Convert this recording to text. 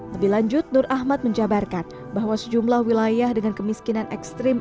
lebih lanjut nur ahmad menjabarkan bahwa sejumlah wilayah dengan kemiskinan ekstrim